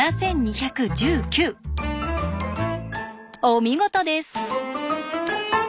お見事です！